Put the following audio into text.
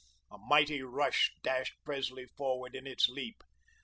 A mighty rush dashed Presley forward in its leap.